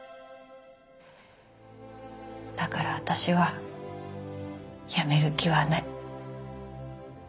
だから私はやめる気はない。